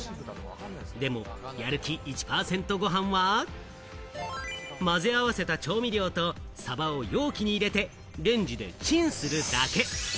でも、やる気１％ごはんは混ぜ合わせた調味料とサバを容器に入れてレンジでチンするだけ。